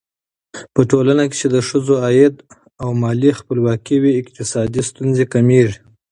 په ټولنه کې چې د ښځو عايد او مالي خپلواکي وي، اقتصادي ستونزې کمېږي.